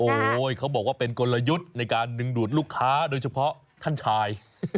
โอ้โหเขาบอกว่าเป็นกลยุทธ์ในการดึงดูดลูกค้าโดยเฉพาะท่านชาย